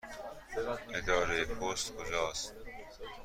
اداره پست کجا است؟